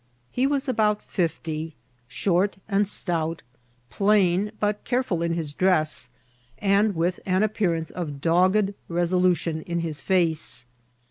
He was about fifty, short and stout, plain, but careful in his dress, and with an appearance of dogged resolu* tion in his face.